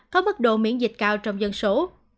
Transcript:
có mức độ miễn dịch cao trong dân số